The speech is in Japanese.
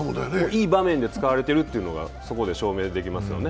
いい場面で使われているというのがそこで証明できますよね。